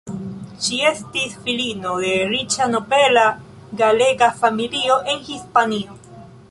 Ŝi estis filino de riĉa nobela galega familio en Hispanio.